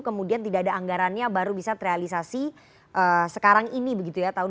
kemudian tidak ada anggarannya baru bisa terrealisasi sekarang ini begitu ya tahun dua ribu dua puluh